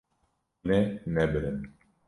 Hûn ê nebirin.